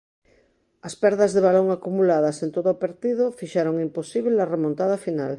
As perdas de balón acumuladas en todo o partido fixeron imposíbel a remontada final.